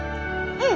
うん！